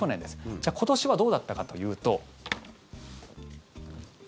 じゃあ今年はどうだったかというと。